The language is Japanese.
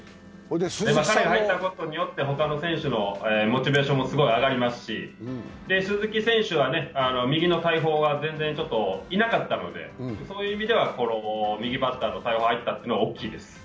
彼が入ったことによって他の選手のモチベーションもすごい上がりますし鈴木選手は、右の大砲が全然いなかったので、そういう意味では右バッターの対応が入ったというのは大きいです。